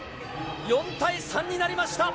４対３になりました。